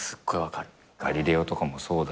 『ガリレオ』とかもそうだし。